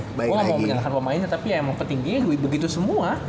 gua mau menyalahkan pemainnya tapi emang pentingnya begitu semua